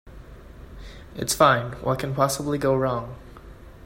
It's fine. What can possibly go wrong?